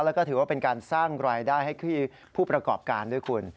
แล้วก็ถือว่าเป็นการสร้างรายได้ให้ผู้ประกอบการด้วยคุณ